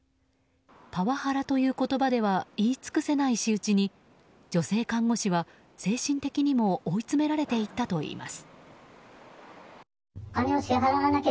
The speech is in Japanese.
パワハラという言葉では言い尽くせない仕打ちに女性看護師は精神的にも追い詰められていったといいます。